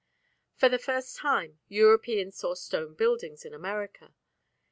For the first time Europeans saw stone buildings in America.